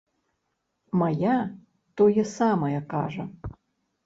Мая тое самае кажа.